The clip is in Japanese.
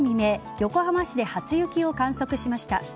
横浜市で初雪を観測しました。